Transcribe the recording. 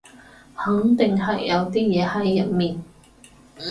肯定係有啲嘢喺入面